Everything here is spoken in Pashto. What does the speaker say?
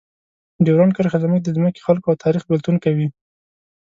ډیورنډ کرښه زموږ د ځمکې، خلکو او تاریخ بېلتون کوي.